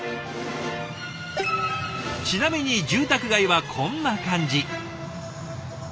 ちなみに住宅街はこんな感じ。